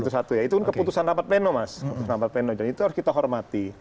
itu satu ya itu keputusan rampat pleno mas itu harus kita hormati